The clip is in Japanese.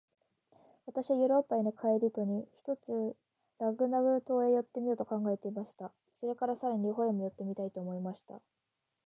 私はヨーロッパへの帰り途に、ひとつラグナグ島へ寄ってみようと考えていました。それから、さらに日本へも寄ってみたいと思いました。